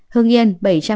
hương yên bảy trăm linh chín